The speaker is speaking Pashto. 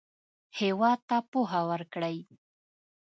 هېواد ته پوهه ورکړئ